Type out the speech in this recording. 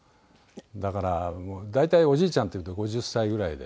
だから大体おじいちゃんというと５０歳ぐらいで。